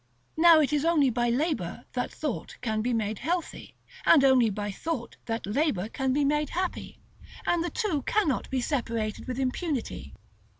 Now it is only by labor that thought can be made healthy, and only by thought that labor can be made happy, and the two cannot be separated with impunity.